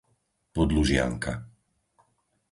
Podlužianka